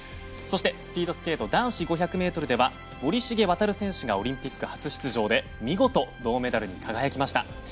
そしてスピードスケート男子５００ｍでは森重航選手がオリンピック初出場で見事、銅メダルに輝きました。